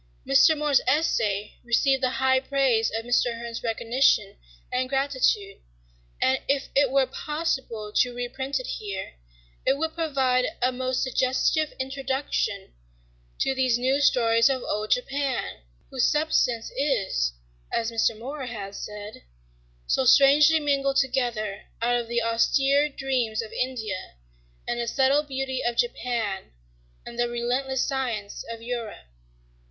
Mr. More's essay received the high praise of Mr. Hearn's recognition and gratitude, and if it were possible to reprint it here, it would provide a most suggestive introduction to these new stories of old Japan, whose substance is, as Mr. More has said, "so strangely mingled together out of the austere dreams of India and the subtle beauty of Japan and the relentless science of Europe."